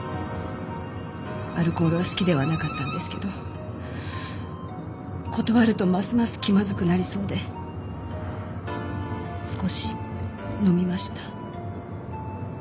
アルコールは好きではなかったんですけど断るとますます気まずくなりそうで少し飲みました。